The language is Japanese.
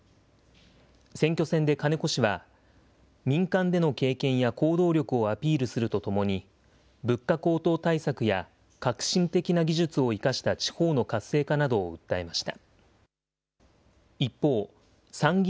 選挙戦で金子氏は、民間での経験や行動力をアピールするとともに、物価高騰対策や、革新的な技術を生かした地方の活性化などを訴えました。